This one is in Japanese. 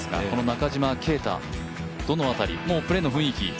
この中島啓太、どの辺りプレーの雰囲気？